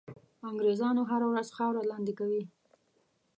انګرېزان هره ورځ خاوره لاندي کوي.